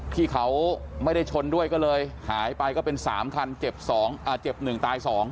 ที่เขาไม่ได้ชนด้วยก็เลยหายไปก็เป็นสามทันเจ็บสองอ่าเจ็บหนึ่งตายสอง